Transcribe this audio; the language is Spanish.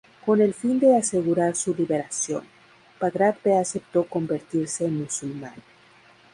Con el fin de asegurar su liberación, Bagrat V aceptó convertirse en musulmán.